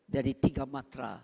dari tiga matra